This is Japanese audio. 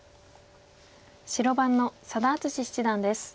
白番の佐田篤史七段です。